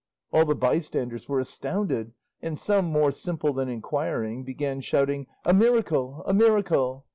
All the bystanders were astounded, and some, more simple than inquiring, began shouting, "A miracle, a miracle!"